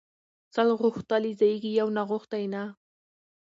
ـ سل غوښتلي ځايږي يو ناغښتى نه.